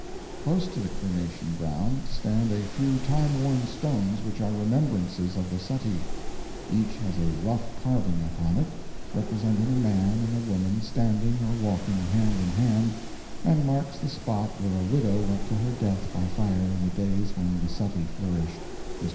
Close to the cremation ground stand a few time worn stones which are remembrances of the suttee. Each has a rough carving upon it, representing a man and a woman standing or walking hand in hand, and marks the spot where a widow went to her death by fire in the days when the suttee flourished. Mr.